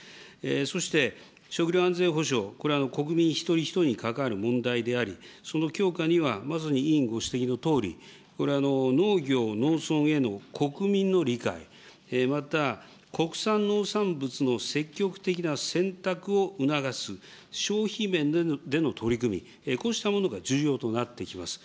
そして食料安全保障、これは国民一人一人に関わる問題であり、その強化にはまさに委員ご指摘のとおり、これは農業・農村への国民の理解、また国産農産物の積極的な選択を促す消費面での取り組み、こうしたものが重要となってきます。